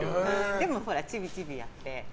でも、ちびちびやって。